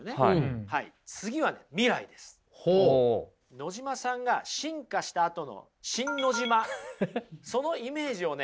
野島さんが進化したあとのシン・ノジマそのイメージをね